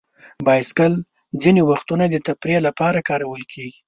بایسکل ځینې وختونه د تفریح لپاره کارول کېږي.